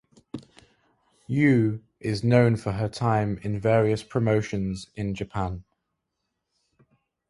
Yuu is known for her time in various promotions in Japan.